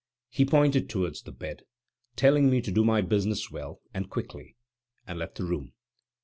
He pointed towards the bed, telling me to do my business well and quickly, and left the room.